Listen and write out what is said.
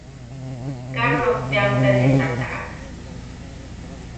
Karloj teamta ne tataʼak.